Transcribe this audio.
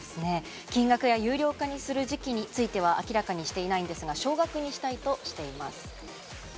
金額や有料化にする時期については明らかにしていないんですが、少額にしたいとしています。